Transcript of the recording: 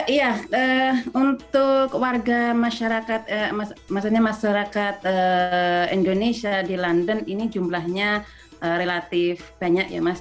iya untuk warga masyarakat maksudnya masyarakat indonesia di london ini jumlahnya relatif banyak ya mas